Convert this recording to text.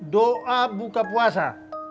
doa buka puasa